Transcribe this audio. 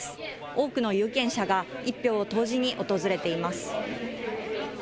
多くの有権者が１票を投じに訪れています。